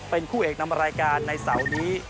เป็นคู่เอกนำรายการในเสาร์นี้